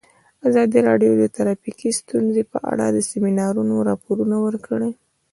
ازادي راډیو د ټرافیکي ستونزې په اړه د سیمینارونو راپورونه ورکړي.